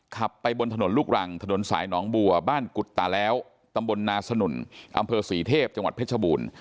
ขับไปบนถนนลูกรังถนนสายหนองบัวบ้านกุฎตาแล้วตำบลนาสนุนอำเภอศรีเทพจังหวัดเพชรบูรณ์